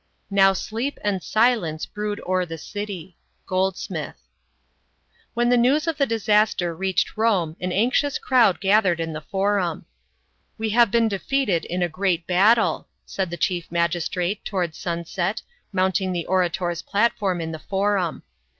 ''Now sleep and silence brood o'er the city." GOLDSMITH. WHEX the news of the disaster reached Rome an anxious crowd gathered in the Forum. "We have been defeated in a great battle/' said the chief magistrate, towards sunset, mounting the orator's platform in the Forum.